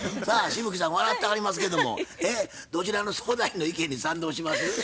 さあ紫吹さん笑ってはりますけどもどちらの相談員の意見に賛同します？